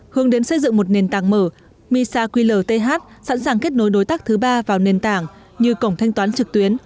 hướng đến xây dựng một nền tảng mở misa qlth sẵn sàng kết nối đối tác thứ ba vào nền tảng như cổng thanh toán trực tuyến